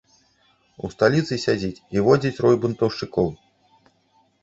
У сталіцы сядзіць і водзіць рой бунтаўшчыкоў.